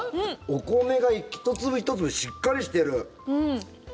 お米が１粒１粒しっかりしてる。